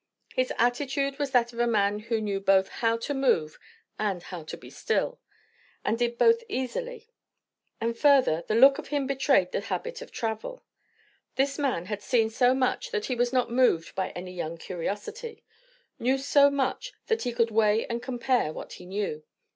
His attitude was that of a man who knew both how to move and how to be still, and did both easily; and further, the look of him betrayed the habit of travel. This man had seen so much that he was not moved by any young curiosity; knew so much, that he could weigh and compare what he knew.